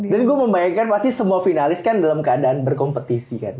dan gue membayangkan pasti semua finalis kan dalam keadaan berkompetisi kan